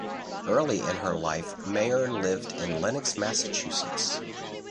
Early in her life Mayer lived in Lenox, Massachusetts.